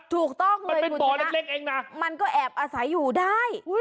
ถูกต้องมันเป็นบ่อเล็กเองนะมันก็แอบอาศัยอยู่ได้